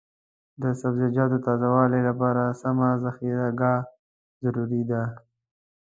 د سبزیجاتو تازه والي لپاره سمه ذخیره ګاه ضروري ده.